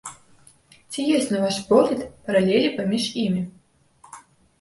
Ці ёсць, на ваш погляд, паралелі паміж імі?